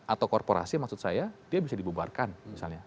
atau korporasi maksud saya dia bisa dibubarkan misalnya